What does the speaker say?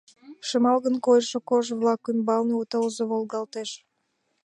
Шемалгын койшо кож-влак ӱмбалне у тылзе волгалтеш.